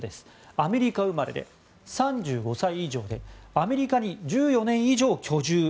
アメリカ生まれで３５歳以上でアメリカに１４年以上居住。